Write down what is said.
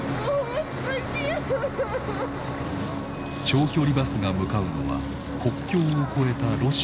長距離バスが向かうのは国境を越えたロシア。